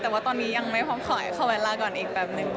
แต่ว่าตอนนี้ยังไม่พร้อมขอให้ขอเวลาก่อนอีกแบบหนึ่ง